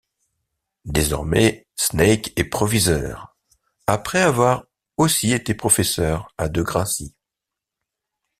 Désormais, Snake est proviseur après avoir aussi été professeur à Degrassi.